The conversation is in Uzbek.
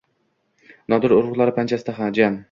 Nodir urug‘lari panjasida jam.